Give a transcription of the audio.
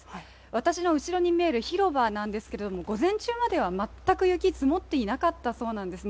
私の後ろに見える広場なんですけれども午前中までは全く雪、積もっていなかったそうなんですね。